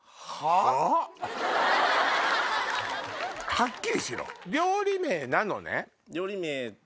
はっきりしろ！